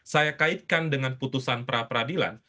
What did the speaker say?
saya kaitkan dengan putusan pra peradilan